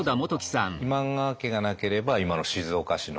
今川家がなければ今の静岡市の。